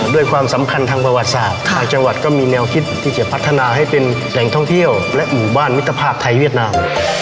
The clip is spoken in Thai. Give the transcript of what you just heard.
ด้วยความสำคัญทางประวัติศาสตร์ทางจังหวัดก็มีแนวคิดที่จะพัฒนาให้เป็นแหล่งท่องเที่ยวและหมู่บ้านมิตรภาพไทยเวียดนาม